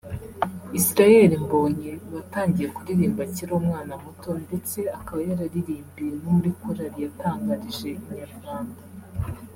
Israel Mbonyi watangiye kuririmba akiri umwana muto ndetse akaba yararirimbye no muri korali yatangarije Inyarwanda